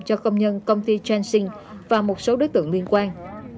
cho công nhân công ty chancing và một số đối tượng liên quan